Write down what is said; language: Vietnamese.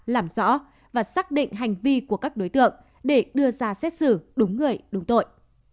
làm rõ và xác định hành vi của các đối tượng để đưa ra xét xử đúng người đúng tội